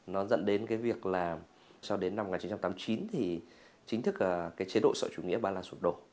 nó dẫn đến cái việc là sau đến năm một nghìn chín trăm tám mươi chín thì chính thức cái chế độ sở chủ nghĩa ba lan sụp đổ